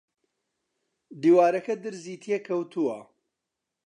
دیوارەکە درزی تێ کەوتووە